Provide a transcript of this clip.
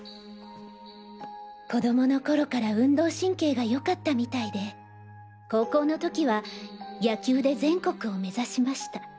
子供の頃から運動神経がよかったみたいで高校の時は野球で全国を目指しました。